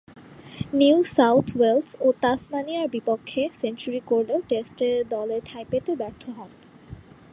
New South Wales ও তাসমানিয়ার বিপক্ষে সেঞ্চুরি করলেও টেস্টে দলে ঠাঁই পেতে ব্যর্থ হন।